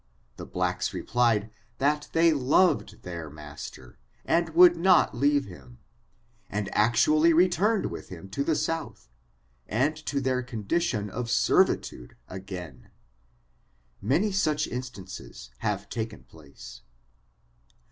The blacks replied, that they loved their master^ and would not leave him, and actually returned with him to the south, and to their condition of servitude again. Many such instances have taken place.